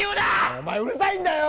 おまえうるさいんだよ